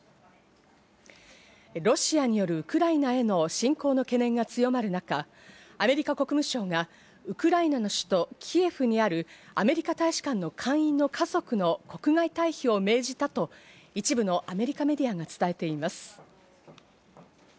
ロシアによるウクライナへの侵攻の懸念が強まる中、アメリカ国務省がウクライナの首都キエフにあるアメリカ大使館の館員の家族の国外退避を命じたと一部のアメリカメディアが伝えています。